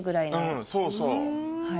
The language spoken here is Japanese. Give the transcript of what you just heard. うんそうそう。